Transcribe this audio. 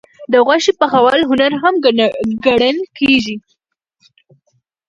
د غوښې پخول هنر هم ګڼل کېږي.